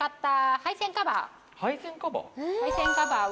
配線カバーを。